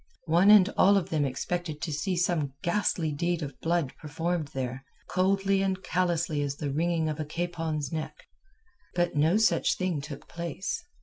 One and all of them expected to see some ghastly deed of blood performed there, coldly and callously as the wringing of a capon's neck. But no such thing took place.